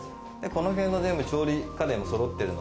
このへんの調理家電もそろってるので。